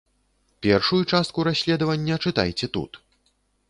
Першую частку расследавання чытайце тут.